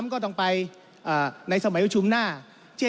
ท่านประธานก็เป็นสอสอมาหลายสมัย